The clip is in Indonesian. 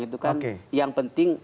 itu kan yang penting